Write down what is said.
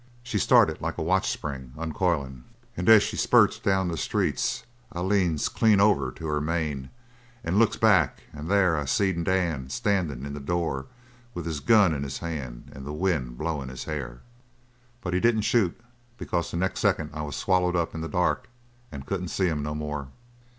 She started like a watch spring uncoilin', and as she spurts down the streets I leans clean over to her mane and looks back and there I seen Dan standin' in the door with his gun in his hand and the wind blowin' his hair. But he didn't shoot, because the next second I was swallowed up in the dark and couldn't see him no more."